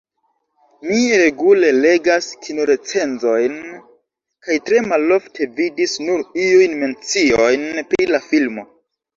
Mi regule legas kinorecenzojn, kaj tre malofte vidis nur iujn menciojn pri la filmo.